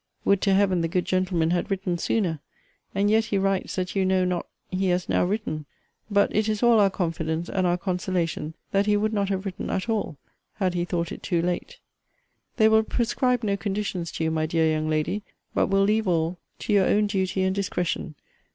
Would to Heaven the good gentleman had written sooner! And yet he writes, that you know not he has now written. But it is all our confidence, and our consolation, that he would not have written at all, had he thought it too late. They will prescribe no conditions to you, my dear young lady; but will leave all to your own duty and discretion.